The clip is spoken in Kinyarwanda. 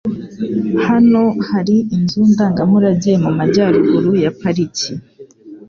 Hano hari inzu ndangamurage mumajyaruguru ya pariki.